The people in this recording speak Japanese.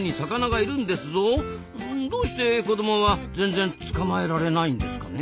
どうして子どもは全然捕まえられないんですかね？